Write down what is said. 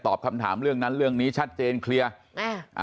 คำถามเรื่องนั้นเรื่องนี้ชัดเจนเคลียร์อ่า